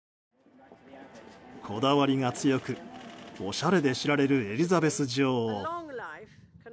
こだわりが強くおしゃれで知られるエリザベス女王。